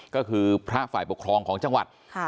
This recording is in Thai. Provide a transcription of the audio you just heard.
ก็คือพระฝ่ายปกครองของจังหวัด